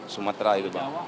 sumatera itu bang